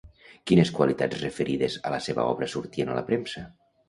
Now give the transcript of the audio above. Quines qualitats referides a la seva obra sortien a la premsa?